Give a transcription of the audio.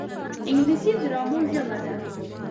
انګلیسي د ډرامو ژبه ده